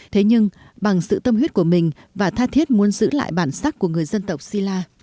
thế nhưng bằng sự tâm huyết của mình và tha thiết muốn giữ lại bản sắc của người dân tộc silla